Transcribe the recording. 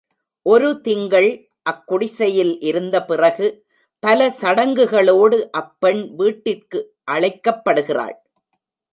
ஒரு திங்கள் அக்குடிசையில் இருந்தபிறகு, பல சடங்குகளோடு அப்பெண் வீட்டிற்கழைக்கப்படுகிறாள்.